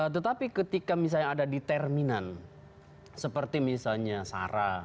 tetapi ketika misalnya ada determinan seperti misalnya sarah